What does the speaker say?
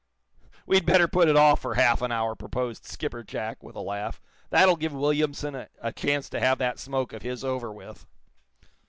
"We'd better put it off for half an hour," proposed Skipper Jack, with a laugh. "That'll give Williamson a chance to have that smoke of his over with."